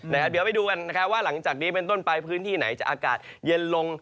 เดี๋ยวไปดูกันนะครับว่าหลังจากนี้เป็นต้นไปพื้นที่ไหนจะอากาศเย็นลง